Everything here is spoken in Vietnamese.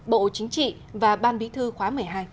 bộ chính trị và ban bí thư khóa một mươi hai